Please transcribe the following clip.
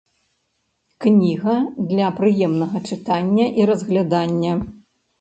Кніга для прыемнага чытання і разглядання.